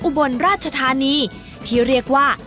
อุบลราชธานีที่เรียกว่า